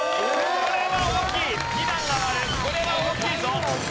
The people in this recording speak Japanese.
これは大きい！